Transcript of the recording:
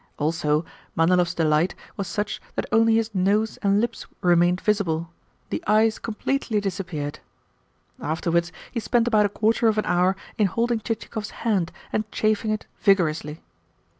Also, Manilov's delight was such that only his nose and lips remained visible the eyes completely disappeared. Afterwards he spent about a quarter of an hour in holding Chichikov's hand and chafing it vigorously.